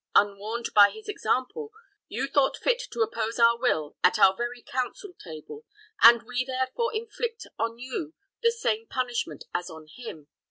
Unwarned by his example, you thought fit to oppose our will at our very council table, and we therefore inflict on you the same punishment as on him.